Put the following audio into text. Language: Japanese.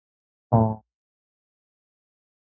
物事の最も大切なところ。物事を完成するための最後の大切な仕上げ。